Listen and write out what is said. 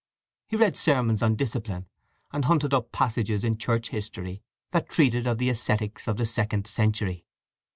He read sermons on discipline, and hunted up passages in Church history that treated of the Ascetics of the second century.